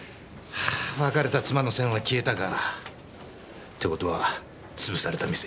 はぁ別れた妻の線は消えたか。って事は潰された店。